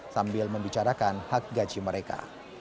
sambil membicarakan hak gaji mereka